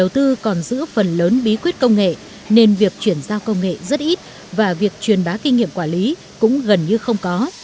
tư còn giữ phần lớn bí quyết công nghệ nên việc chuyển giao công nghệ rất ít và việc truyền bá kinh nghiệm quản lý cũng gần như không có